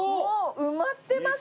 埋まってます